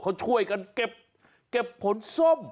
เขาช่วยกันเก็บผลส้ม